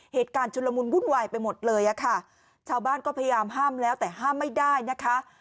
ชุนละมุนวุ่นวายไปหมดเลยอ่ะค่ะชาวบ้านก็พยายามห้ามแล้วแต่ห้ามไม่ได้นะคะ